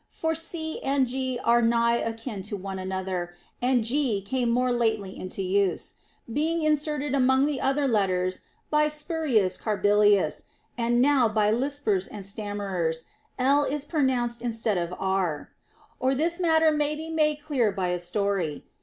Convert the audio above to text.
For c and g are nigh akin to one another, and g came more lately into use, being inserted among the other letters by Sp. Carbilius ; and now by lispers and stammerers I is pronounced instead of r. Or this matter may be made clear by a story.